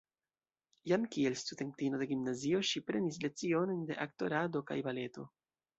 Jam kiel studentino de gimnazio ŝi prenis lecionojn de aktorado kaj baleto.